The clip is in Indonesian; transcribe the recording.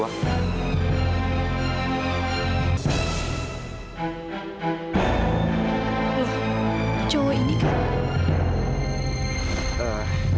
wah cowok ini kan